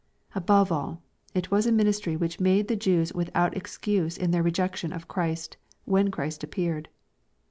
Above all, it was a ministry which made the Jews without excuse in their rejection of Christ, when Christ appeared.